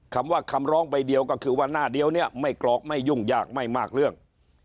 คำว่าคำร้องใบเดียวก็คือว่าหน้าเดียวเนี่ยไม่กรอกไม่ยุ่งยากไม่มากเรื่อง